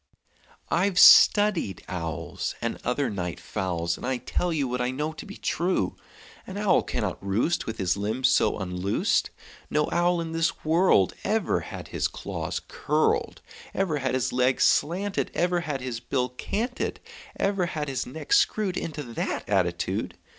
"I've studied owls, And other night fowls, And I tell you What I know to be true: An owl cannot roost With his limbs so unloosed; No owl in this world Ever had his claws curled, Ever had his legs slanted, Ever had his bill canted, Ever had his neck screwed Into that attitude.